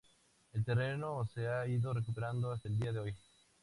El terreno se ha ido recuperando hasta el día de hoy.